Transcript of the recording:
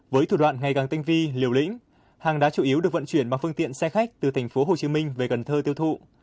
với thủ đoạn ngày càng tinh vi liều lĩnh hàng đá chủ yếu được vận chuyển bằng phương tiện xe khách từ tp hcm về cần thơ tiêu thụ